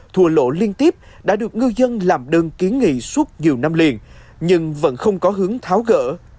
thùa lỗ liên tiếp đã được ngư dân làm đơn kiến nghị suốt nhiều năm liền nhưng vẫn không có hướng tháo gỡ